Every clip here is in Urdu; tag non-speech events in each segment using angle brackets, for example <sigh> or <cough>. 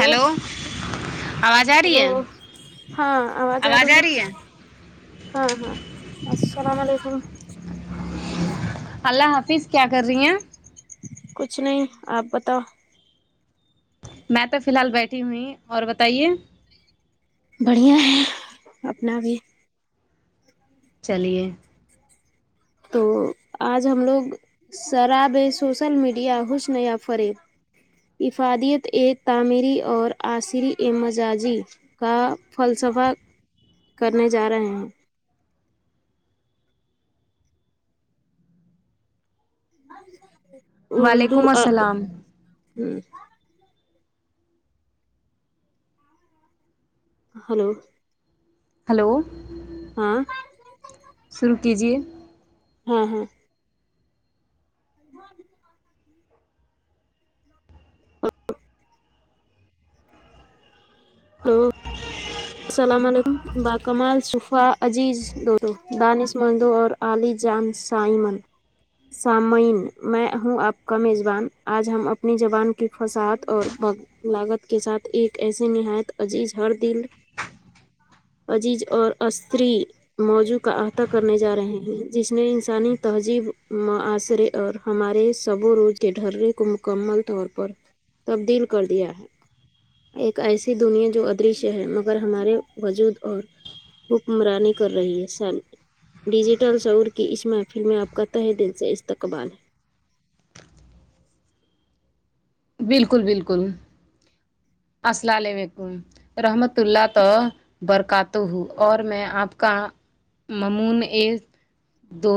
ا <unintelligible> آواز آ رہی ہلو ہے ہاں آواز آ رہی ہے ہاں ہاں السلام علیکم اللہ حافظ کیا کر رہی ہیں کچھ نہیں آپ بتاؤ میں تو فی الحال بیٹھی ہوئی اور بتائیے <unintelligible> بڑھیا ہے اپنا بھی چلیے تو آج ہم لوگ شراب سوسل میڈیا حشنیا فریب افادیت اے تعمیری اور عصری ا مزاجی کا فلسفہ کرنے جا رہے ہیں اردو وعلیکم ا السلام ہ <unintelligible> ہلو ہلو ہاں شروع کیجیے ہاں ہاں ہاں ہلو ہ <unintelligible> السلام علیکم ب کمال صفا عزیز دوست دانش مندو اور <unintelligible> علی جان سائمن سامعین میں ہوں آپ کا میزبان آج ہم اپنی زبان کی فساعت اور لاگت کے ساتھ ایک ایسے نہایت عزیز ہر دل عزیز اور استری موضوع کا احاطہ کرنے جا رہے ہیں جس نے انسانی تہذیب معاصرے اور ہمارے سب روز کے ڈھرے کو مکمل طور پر تبدیل کر دیا ہے ایک ایسی دنیا جو ادریشہ ہے مگر ہمارے وجود اور حکمرانی کر رہی ہے س <unintelligible> ڈیجیٹل سعور کی اس محفل میں آپ کا تہ دل سے استقبال ہے بالکل بالکل السلام علیکم رحمت اللہ تو برکات تو ہوں اور میں آپ کا ممون ایک دو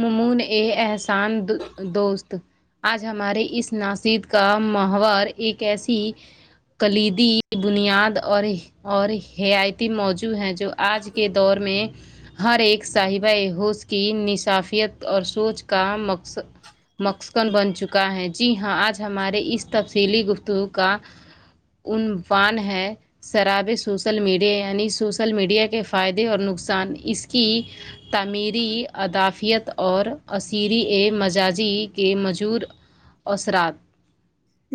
ممن یہ احسان دو دوست آج ہمارے اس ناسد کا محور ایک ایسی کلیدی کی بنیاد اور اور حیاایتی موجع ہیں جو آج کے دور میں ہر ایک صاحبہ ہووش کی نصافیت اور سوچ کا مقص مخصن بن چکا ہے جی ہاں آج ہمارے اس تفصیلی گفتگو کا عنفان ہے <unintelligible> شرابے سوسل میڈیا یعنی سوسل میڈیا کے فائدے اور نقصان اس کی تعمیری ادافیت اور اسثری ا مجاجی کے مجور اثرات <unintelligible>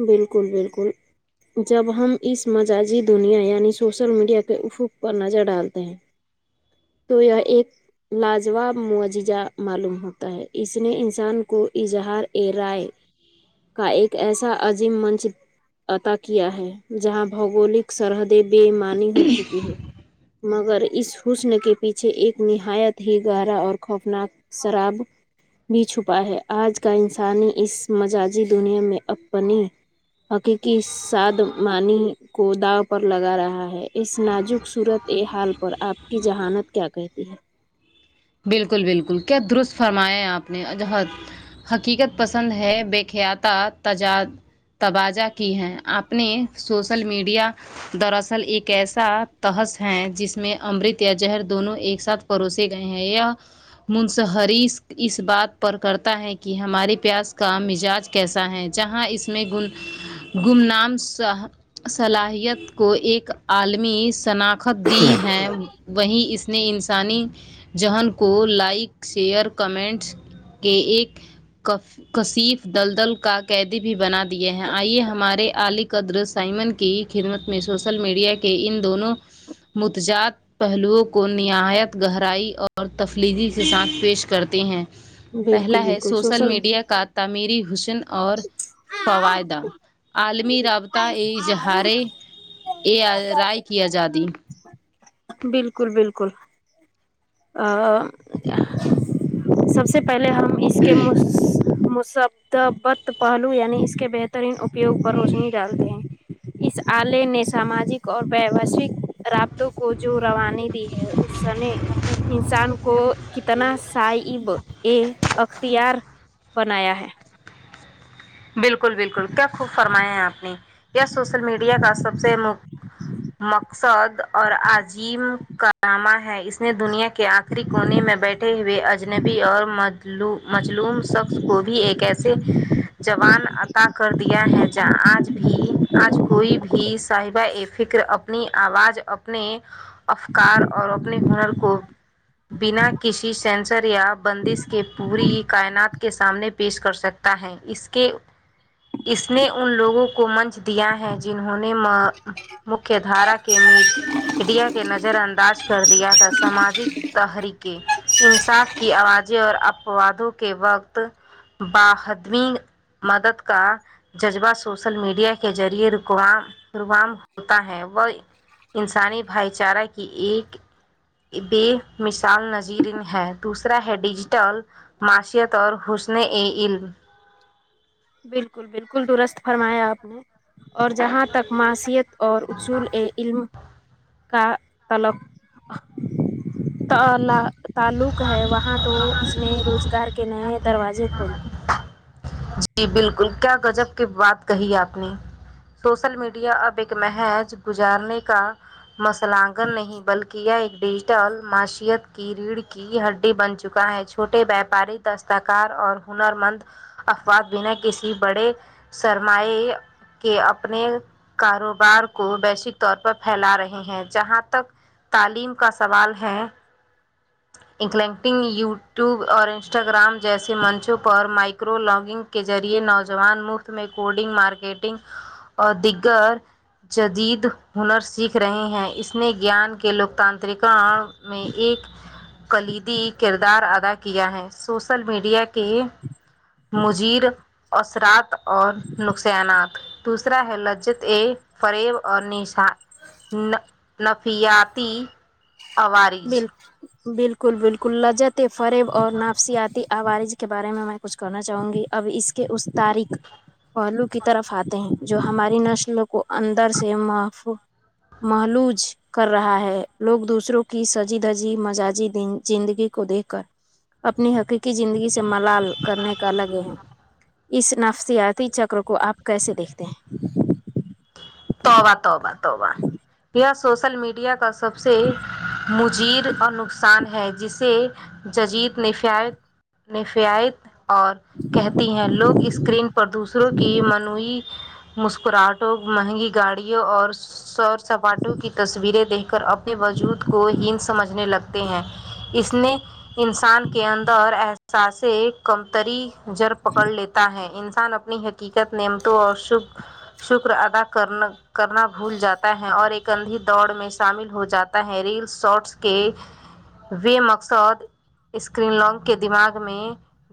بالکل بالکل جب ہم اس مزجی دنیا یعنی سوشل میڈیا کے احوق پر نظر ڈالتے ہیں <inaudible> تو یہ ایک لاجواب معججہ معلوم ہوتا ہے اس نے انسان کو اظہار ا رائے کا ایک ایسا عظیم منچ عط کیا ہے جہاں بھگولک سرحد بےمانی ہو چکی ہے <unintelligible> مگر اس حسن کے پیچھے ایک نہایت ہی گہرا اور خوفناک شراب بھی چھپا ہے آج کا انسانی اس مزجی دنیا میں اب <unintelligible> ب <unintelligible> حقیقی سادمانی کو داو پر لگا رہا ہے اس نازک صورت بے حال پر آپ کی جہانت کیا کہتی ہے <unintelligible> بالکل بالکل کیا درست فرمایا ہے آپ نے عجہد حقیقت پسند ہے بے خیاط تجاد توجہ کی ہیں آپ نے سوسل میڈیا <unintelligible> دراصل ایک ایسا تحس ہے جس میں امرت یا جہر دونوں ایک ساتھ پروسے گئے <unintelligible> منصہریس اس بات پر کرتا ہے کہ ہمارے پیاس کا مزاج <unintelligible> کیسا ہے جہاں اس میں گمنام صلاحیت <unintelligible> کو ایک عالمی شناخت دی ہے وہی اس نے انسانی <unintelligible> جہن کو لائک شیئر کمنٹس کے ایک کصف دلدل کا قیدی بھی بنا دیے ہیں آئیے ہمارے علی قدر سائمن کی خدمت میں سوشل میڈیا کے <unintelligible> ان دونوں متجاد پہلوؤں کو نہایت گہرائی <unintelligible> تفلیلیی کے ساتھ پیش کرتے ہیں ہے بالکل پہلا ہے بالکل سوشل میڈیا کا تعمیری حسن اور فوائدہ عالمی رابط <unintelligible> ا اظہارے ا رائے کیا جاادی <unintelligible> بالکل بالکل <unintelligible> سب سے پہلے ہم اس کے م <unintelligible> مبت پہلو یعنی اس کے بہترین اپیوگ پر روشنی ڈالتے ہیں <unintelligible> اس آلے نے ساماجک اور ووشک رابطوں کو جو روانیے دی ہے اس س نے <unintelligible> انسان کو کتنا صائب ا اختیار بنایا ہے بالکل بالکل کیا خوب فرمایا ہیں آپ نے یہ سوشل میڈیا کا سب سے م مک <inaudible> سعود اور عظیم کرامہ ہے اس نے دنیا کے آخری کونے میں بیٹھے ہوئے اجنبی اور مجلوم شخص کو بھی ایک ایسے جوان عطا کر دیا ہے جا آج بھی آج کوئی بھی صاحبہ ا فکر اب اپنی آواز اپنے افکار اور اپنے ہنر کو بنا کسی سینسر یا بندش کے پوری کائنات کے سامنے پیش کر سکتا ہے اس کہ اس نے ان لوگوں کو منچ دیا دیا ہیں جنہوں نے مکہ دھارا کے میڈ ڈیا کے نظر انداز کر دیا تھا سماجک تحرقے انصاف کی آوازیں اور اپوادوں کے وقت بدین مدد کا جذبہ سوشل میڈیا کے ذریعے رکوام روام ہوتا ہے وہ انسانی بھائی چارہ کی ایک بے مثال نظیر ہے دوسرا ہے ڈیجیٹل معیشیت اور حسن ا علم بالکل بالکل درست فرمایا آپ نے اور جہاں تک معاشیت اور اصول ایک علم کا طلب <unintelligible> تعلق ہے وہاں تو اس نے روزگار کے نئے دروازے کھولے جی بالکل کیا گجب کی بات کہی آپ نے سوشل میڈیا اب ایک محج گزارنے کا مسلگن نہیں بلکہ یہ ایک ڈیجیٹل معیشت کی ریڑھ کی ہڈی بن چکا ہے چھوٹے ویاپاری دستکار اور ہنر مند افواد بنا کسی بڑے سرماائے کہ اپنے کاروبار کو ویشک طور پر پھیلا رہے ہیں جہاں تک تعلیم کا سوال ہے لینٹنگ یو ٹیوب اور انسٹاگرام جیسے منچوں پر مائکو لاگنگ کے ذریعے نوجوان مفت میں کوڈنگ مارکیٹنگ اور دیگر جدید ہنر سیکھ رہے ہیں اس نے گیان کے لوکتاانترکا اور میں ایک کلیدی کردار ادا کیا ہے سوشل میڈیا کے مجیر اثرات اور نقصانات دوسرا ہے لجت اے فریب اور نشا ن نفیاتی ب بالکل بالکل لجت فریب اور نافسیاتی عوارج کے بارے میں میں کچھ کرنا چاہوں گی اب اس کے اس تاریخ پہلو کی طرف آتے ہیں جو ہماری نسل کو اندر سے مف محلوج کر رہا ہے لوگ دوسروں کو کی سجی دجی مزاجی زندگی کو دیکھ کر اپنی حقیقی زندگی سے ملال کرنے کا الگے ہیں اس نفسیاتی چکر کو آپ کیسے دیکھتے ہیں توبا توبا توبا یہ سوشل میڈیا کا سب سے مجیر اور نقصان ہے جس سے ججید نفیایت اور کہتی ہیں لوگ اسکرین پردسروں کی منوعی مسکراہٹوں مہنگی گاڑیوں اور س سپاٹوں کی تصویریں دیکھ کر اپنے وجود کو ہین سمجھنے لگتے ہیں اس نے انسان کے اندر احساسے کمتری جر پکڑ لیتا ہے انسان اپنی حقیقت نیمتوں اور ش شکر ادا کرنا کرنا بھول جاتا ہے اور ایک انندھی دوڑ میں شامل ہو جاتا ہے ریلس شارٹس کے وہ مقصد اسکرین لگ کے دماغ میں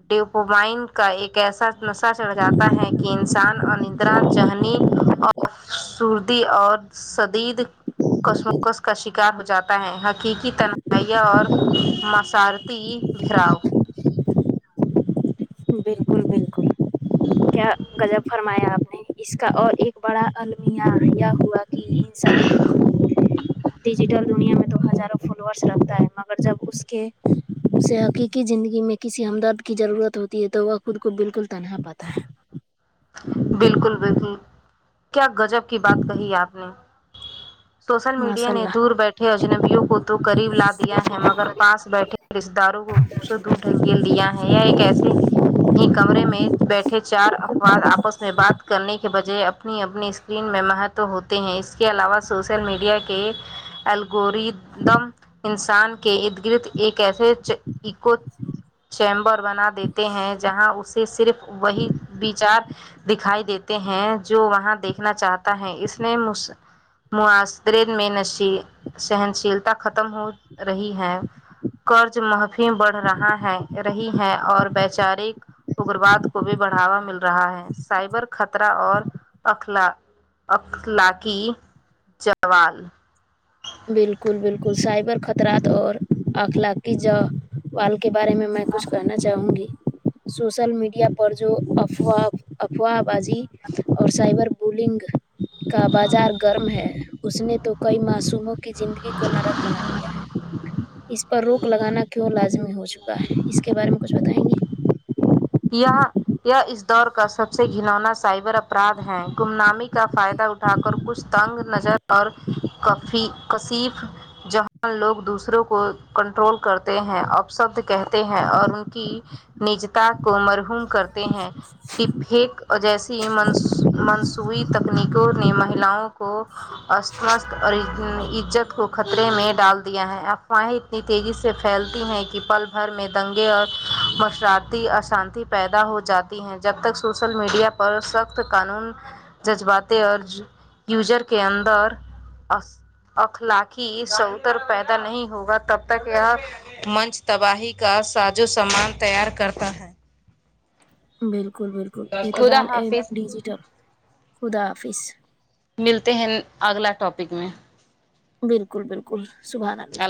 ڈیوپومائن کا ایک ایسا نشہ چڑھ جاتا ہے کہ انسان اوردرا ذہنی اف سردی اور شدید قسموںس کا شکار ہو جاتا ہے حقیقی تنہائیا اور مسارتی گراؤ بالکل بالکل کیا گجب فرمایا آپ نے اس کا اور ایک بڑا المیہ یہ ہوا کہ ان <inaudible> ڈیجیٹل دنیا میں تو ہزاروں فالوس رکھتا ہے مگر جب اس کے اس سے حقیقی زندگی میں کسی ہمدرد کی ضرورت ہوتی ہے تو وہ خود کو بالکل تنہا پاتا ہے بالکل بالکل کیا گجب کی بات کہی آپ نے سوشل میڈیا ماشاء نے اللہ دور بیٹھے اجنبیوں کو تو قریب لا دیا ہے مگر پاس بیٹھے رشتے داروں کو دور ڈھکیل دیا ہے یا ایک ایسے ہی کمرے میں بیٹھے چار واد آپس میں بات کرنے کے بجائے اپنی اپنی اسکرین میں مہتو ہوتے ہیں اس کے علاوہ سوشل میڈیا کے الگوردم انسان کے کہ اد گرد ایک ایسےکو چیمبر بنا دیتے ہیں جہاں اسے صرف وہی بیچ دکھائی دیتے ہیں جو وہاں دیکھنا چاہتا ہے اس نے م ماصرن میں نش سہنشیلتا ختم ہو رہی ہے قرض محفی بڑھ رہا ہے رہی ہے اور وچارک اگگرواد کو بھی بڑاوا ملتا رہا ہے سائبر خطرہ اور اخلاقی چوال بالکل بالکل سائبر خطرات اور اخلاقی ج وال کے بارے میں میں کچھ کہنا چاہوں گی سوشل میڈیا پر جو افاہ افواہ بازی اور سائبر بولنگ کا بازار گرم ہے اس نے تو کئی معصوموں کی زندگی کو نرک بنا دیا ہے اس پر روک لگانا کیوں لازمی ہو چکا ہے اس کے بارے میں کچھ ستائیں گے یہ یہ اس دور کا سب سے گھلونا سائبر اپرادھ ہیں گم نامک کا فائدہ اٹھا کر کچھ تنگ نظر اور کسیف جہاں لوگ دوسروں کو کنٹرول کرتے ہیں اور شبد کہتے ہیں اور ان کی نجتا کو مرحوم کرتے ہیں ڈپیک جیسی منصوبی تکنیکوں نے مہیؤں کو اسمس اور عزت کو خطرے میں ڈال دیا ہے افواہیں تیزی سے پھیلتی ہیں کہ پل بھر میں دنگے اور مشرات اثر شانتی پیدا ہو جاتی ہے جب تک سوشل میڈیا پر سخت قانون جذباتیں اور یوزر کے اندر اخلاقی سوتر پیدا نہیں ہوگا تب تک یہ منچ تباہی کا سازو سامان تیار کرتا ہے بالکل بالکل خدا اعتدال حافظ ا ڈیجیٹل خدا حافظ ملتے ہیں اگلا ٹاپک میں بالکل بالکل سبح اللہ